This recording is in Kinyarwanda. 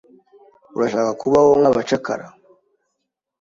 Urashaka kubaho nkabacakara?